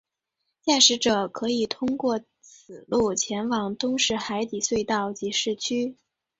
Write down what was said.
驾驶者可以通过此路前往东区海底隧道及市区。